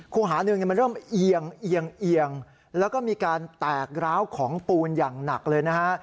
คู่หาหนึ่งมันเริ่มเอียงเอียงเอียงแล้วก็มีการแตกร้าวของปูนอย่างหนักเลยนะฮะ